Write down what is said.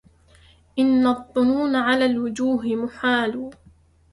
إن الظنون على الوجوه محال